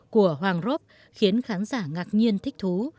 của hoàng rop khiến khán giả ngạc nhiên thích thú